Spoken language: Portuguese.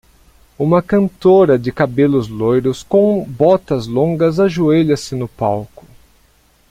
Uma cantora de cabelos loiros com botas longas ajoelha-se no palco.